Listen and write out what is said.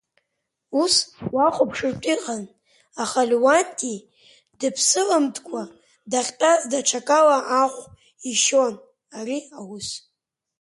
Ус уахәаԥшыртә иҟан, аха Леуанти, дыԥсылмыҭкуа дахьтәаз, даҽакала ахә ишьон ари аус…